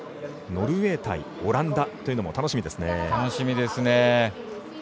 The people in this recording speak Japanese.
ノルウェー対オランダというのも楽しみですね。